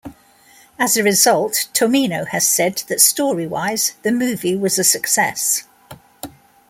As a result, Tomino has said that story-wise, the movie was a success.